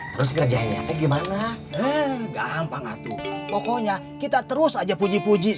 terus kerjanya gimana gampang atu pokoknya kita terus aja puji puji